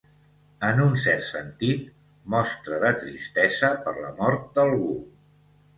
En un cert sentit, mostra de tristesa per la mort d'algú.